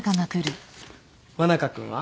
真中君は？